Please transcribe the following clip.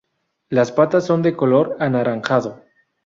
Las patas son de color anaranjado.